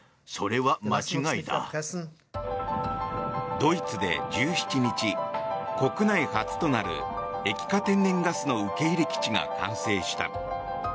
ドイツで１７日国内初となる液化天然ガスの受け入れ基地が完成した。